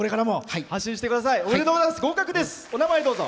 お名前、どうぞ。